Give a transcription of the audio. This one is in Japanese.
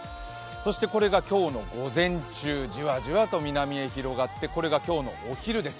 そして、これが今日の午前中、じわじわと南へ広がって、これが今日のお昼です。